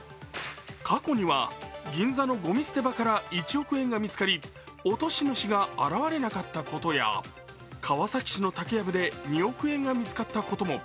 過去には銀座のごみ捨て場から１億円が見つかり、落とし主が現れなかったことや、川崎市の竹やぶで２億円が見つかったことも。